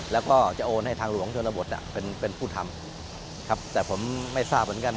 แล้วก็จะโอนให้ทางหลวงชนบทเป็นเป็นผู้ทำครับแต่ผมไม่ทราบเหมือนกัน